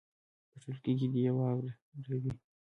په ټولګي کې دې یې واوروي.